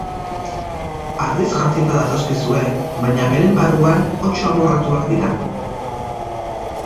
Ardiz jantzita datozkizue, baina beren barruan otso amorratuak dira.